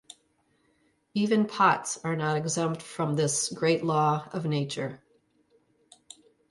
Even pots are not exempt from this great law of nature.